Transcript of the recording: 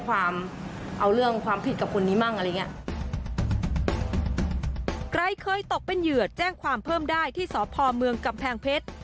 ใครเคยตกเป็นเหยื่อแจ้งความเพิ่มได้ที่สพเมืองกำแพงเพชร